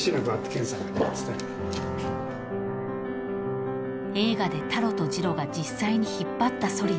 ［映画でタロとジロが実際に引っ張ったそりです］